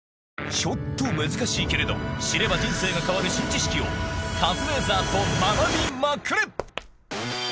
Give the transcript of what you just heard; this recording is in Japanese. ちょっと難しいけれど知れば人生が変わる新知識をカズレーザーと学びまくる！